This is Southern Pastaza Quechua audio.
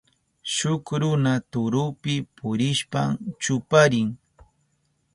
Shuk runa turupi purishpan chuparin.